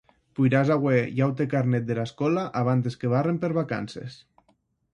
Poiràs auer un aute carnet dera escòla abantes que barren per vacances.